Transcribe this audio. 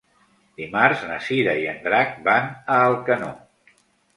Dimarts na Cira i en Drac van a Alcanó.